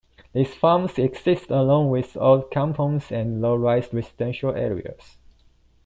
These farms existed along with old kampongs and low-rise residential areas.